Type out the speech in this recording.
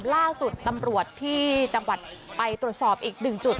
ล่าสุดตำรวจที่จังหวัดไปตรวจสอบอีกหนึ่งจุด